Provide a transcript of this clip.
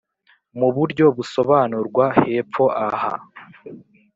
mu buryo busobanurwa hepfo aha.